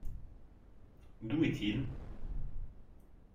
D’où est-il ?